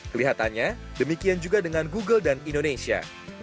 kelihatannya demikian juga dengan google dan indonesia